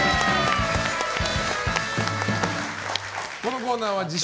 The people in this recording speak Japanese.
このコーナーは自称